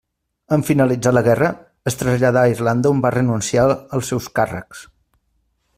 En finalitzar la guerra es traslladà a Irlanda on va renunciar als seus càrrecs.